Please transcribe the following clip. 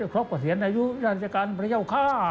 ครบประเสียนอายุราชการพระเจ้าข้า